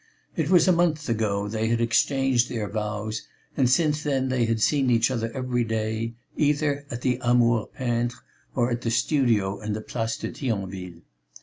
It was a month ago they had exchanged their vows and since then they had seen each other every day, either at the Amour peintre or at the studio in the Place de Thionville.